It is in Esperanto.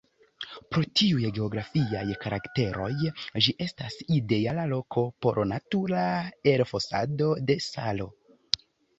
Pro tiuj geografiaj karakteroj, ĝi estas ideala loko por natura elfosado de salo.